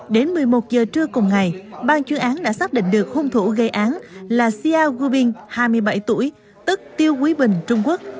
đến một mươi một giờ trưa cùng ngày ban chuyên án đã xác định được hung thủ gây án là sia gubin hai mươi bảy tuổi tức tiêu quý bình trung quốc